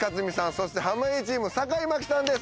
そして濱家チーム坂井真紀さんです。